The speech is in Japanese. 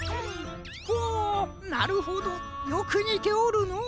ほなるほどよくにておるのう。